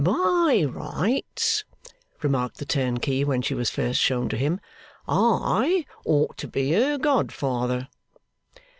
'By rights,' remarked the turnkey when she was first shown to him, 'I ought to be her godfather.